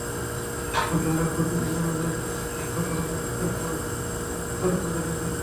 মন্ত্রণালয়ে খোঁজ নিয়ে জানা যায়, সর্বশেষ প্রশ্নপত্র ফাঁসের খবর আসে ফরিদপুরের নগরকান্দা থেকে।